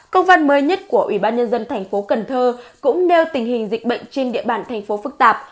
công văn mới nhất của ủy ban nhân dân thành phố cần thơ cũng nêu tình hình dịch bệnh trên địa bàn thành phố phức tạp